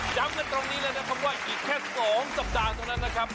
ย้ำกันตรงนี้เลยนะครับว่าอีกแค่๒สัปดาห์ตรงนั้นนะครับ